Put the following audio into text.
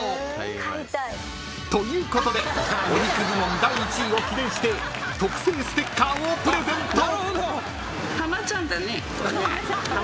［ということでお肉部門第１位を記念して特製ステッカーをプレゼント］